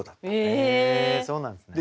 へえそうなんですね。